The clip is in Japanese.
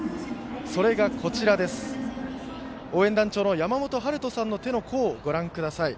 それが、応援団長のやまもとはるとさんの手の甲をご覧ください。